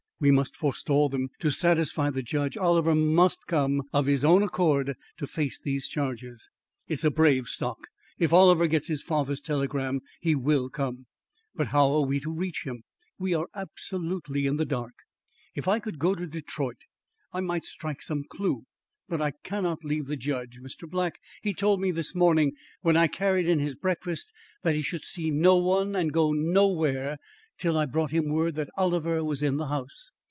"We must forestall them. To satisfy the judge, Oliver must come of his own accord to face these charges." "It's a brave stock. If Oliver gets his father's telegram he will come." "But how are we to reach him! We are absolutely in the dark." "If I could go to Detroit, I might strike some clew; but I cannot leave the judge. Mr. Black, he told me this morning when I carried in his breakfast that he should see no one and go nowhere till I brought him word that Oliver was in the house.